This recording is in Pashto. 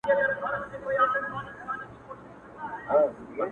تا څه کول جانانه چي راغلی وې وه کور ته